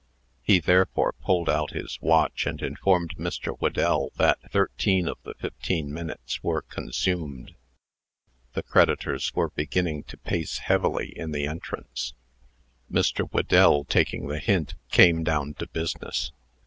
He therefore pulled out his watch, and informed Mr. Whedell that thirteen of the fifteen minutes were consumed. The creditors were beginning to pace heavily in the entry. Mr. Whedell, taking the hint, came down to business.